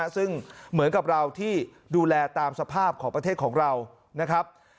ซึ่งเหมือนกับเราที่ดูแลตามสภาพของประเทศของเรานะครับ